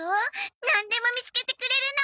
なんでも見つけてくれるの。